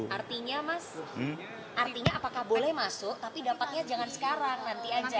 artinya mas artinya apakah boleh masuk tapi dapatnya jangan sekarang nanti aja